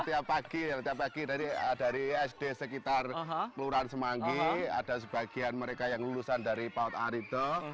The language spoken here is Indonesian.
iya ini lah tiap pagi dari sd sekitar puluran semanggi ada sebagian mereka yang lulusan dari paut arito